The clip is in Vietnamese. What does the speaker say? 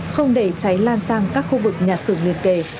không để cháy lan sang các khu vực nhà xưởng liên kề